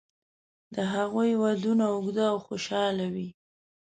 د هغوی ودونه اوږده او خوشاله وي.